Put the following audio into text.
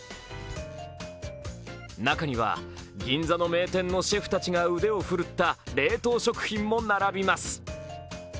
中には、銀座の名店のシェフたちが腕を振るった冷凍食品も並びます。